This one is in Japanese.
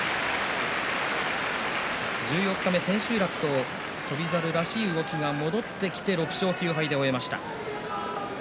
十四日目、千秋楽と翔猿らしい動きが戻ってきての６勝９敗で終えました。